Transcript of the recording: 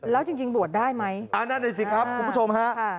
แล้วจริงจริงบวชได้ไหมอ่านั่นน่ะสิครับคุณผู้ชมฮะ